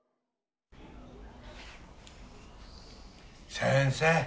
先生